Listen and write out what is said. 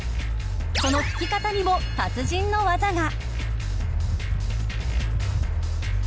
その拭き方にも達人の技が。